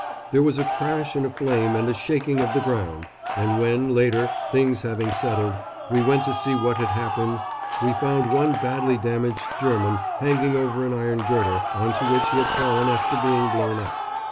There was a crash and a flame and a shaking of the ground and when, later, things having settled, we went to see what had happened we found one badly damaged German hanging over an iron girder on to which he had fallen after being blown up.